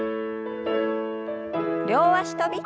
両脚跳び。